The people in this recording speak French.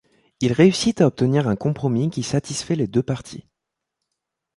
Il réussit à obtenir un compromis qui satisfait les deux parties.